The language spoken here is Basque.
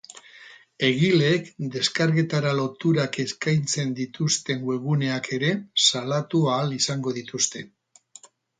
Egileek deskargetara loturak eskaintzen dituzten webguneak ere salatu ahal izango dituzte.